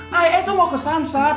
hei tuh mau kesanja